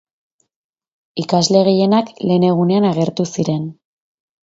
Ikasle gehienak lehen egunean agertu ziren.